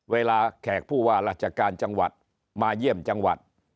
แขกผู้ว่าราชการจังหวัดมาเยี่ยมจังหวัด